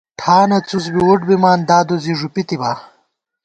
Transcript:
ٹھانہ څُس بی وُٹ بِمان دادُوزی ݫُپِتِبا